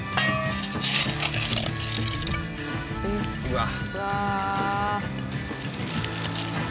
うわ！